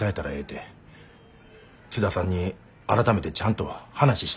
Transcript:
津田さんに改めてちゃんと話したいんや。